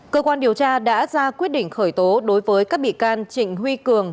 cơ quan điều tra đã ra quyết định khởi tố đối với các bị can trịnh huy cường